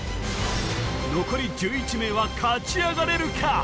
残り１１名は勝ち上がれるか？